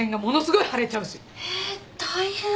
えっ大変。